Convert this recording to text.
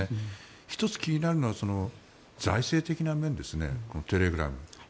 １つ、気になるのは財政的な面ですね、テレグラム。